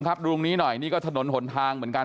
ดูตรงนี้หน่อยนี่ก็ถนนหนทางเหมือนกัน